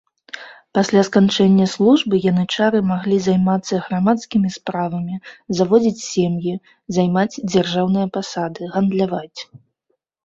Пасля сканчэння службы янычары маглі займацца грамадскімі справамі, заводзіць сем'і, займаць дзяржаўныя пасады, гандляваць.